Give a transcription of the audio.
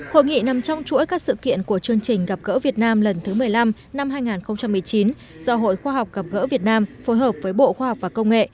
hội nghị nằm trong chuỗi các sự kiện của chương trình gặp gỡ việt nam lần thứ một mươi năm năm hai nghìn một mươi chín do hội khoa học gặp gỡ việt nam phối hợp với bộ khoa học và công nghệ